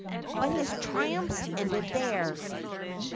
But his triumphs ended there.